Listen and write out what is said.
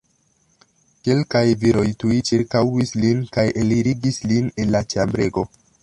Kelkaj viroj tuj ĉirkaŭis lin kaj elirigis lin el la ĉambrego.